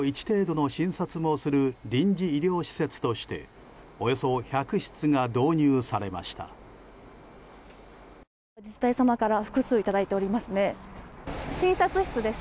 １程度の診察もする臨時医療施設としておよそ１００室が導入されました。